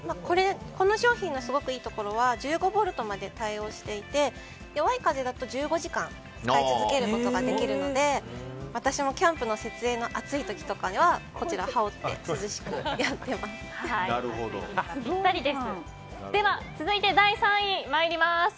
この商品のすごいいいところは１５ボルトまで対応していて弱い風だと１５時間使い続けることができるので私もキャンプの設営の暑い時とかにはこちらを羽織って続いて第３位参ります。